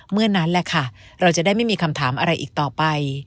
นั่นแหละค่ะเราจะได้ไม่มีคำถามอะไรอีกต่อไป